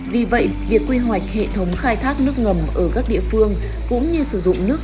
vì vậy việc quy hoạch hệ thống khai thác nước ngầm ở các địa phương cũng như sử dụng nước